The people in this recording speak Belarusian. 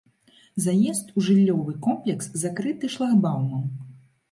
Заезд у жыллёвы комплекс закрыты шлагбаумам.